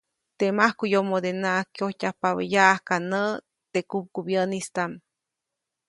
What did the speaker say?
Teʼ majkuʼyomodenaʼk kyojtyajpabä yaʼajka näʼ teʼ kupkubyäʼnistaʼm.